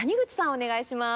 お願いします。